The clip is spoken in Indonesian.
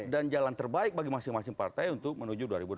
dan jalan terbaik bagi masing masing partai untuk menuju dua ribu dua puluh empat